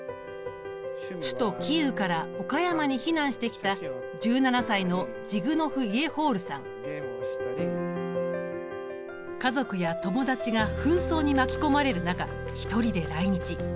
首都キーウから岡山に避難してきた１７歳の家族や友達が紛争に巻き込まれる中一人で来日。